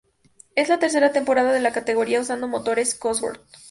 Es la tercera temporada de la categoría usando motores Cosworth.